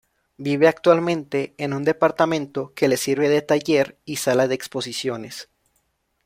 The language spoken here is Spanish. Vive actualmente en un departamento que le sirve de taller y sala de exposiciones.